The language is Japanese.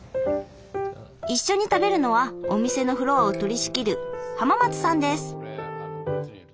一緒に食べるのはお店のフロアを取りしきる濱松さんです。